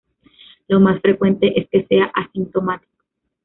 Lo más frecuente es que sea asintomático.